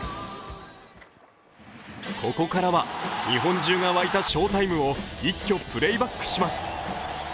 ここからは日本中が沸いた翔タイムを一挙プレーバックします。